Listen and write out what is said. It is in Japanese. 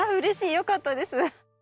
よかったです。